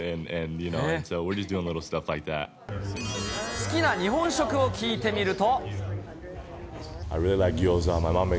好きな日本食を聞いてみると。